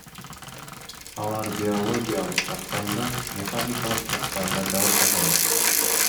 Алар биологиялык жактан да, механикалык жактан да жабыркаган.